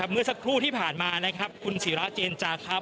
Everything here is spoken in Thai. เมื่อสักครู่ที่ผ่านมานะครับคุณศิราเจนจาครับ